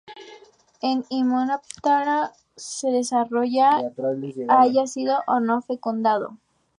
En Hymenoptera el huevo se desarrolla haya sido o no fecundado.